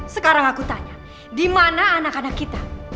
sekarang aku tanya di mana anak anak kita